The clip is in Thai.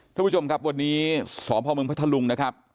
ท่านผู้ชมครับวันนี้สพมพัทธลุงนะครับ